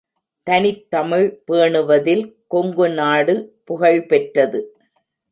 தனித்தமிழ் பேணுவதில் கொங்குநாடு புகழ்பெற்றது.